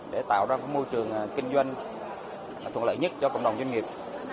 để tạo ra môi trường kinh doanh thuận lợi nhất cho cộng đồng doanh nghiệp